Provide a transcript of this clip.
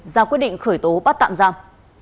ra quyết định khởi tố bắt tạm giam